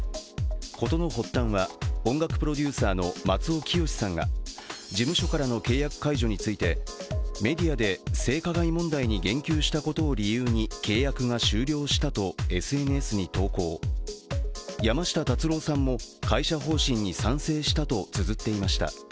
事の発端は、音楽プロデューサーの松尾潔さんが事務所からの契約解除についてメディアで性加害問題に言及したことを理由に契約が終了したとＳＮＳに投稿、山下達郎さんも会社方針に賛成したとつづっていました。